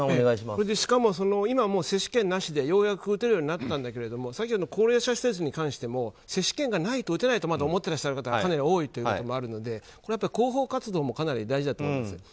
しかも、今は接種券なしでようやく打てるようになったけどさっきの高齢者施設に関しても接種券がないと打てないと思っている方がかなり多いこともあるので広報活動もかなり大事だと思います。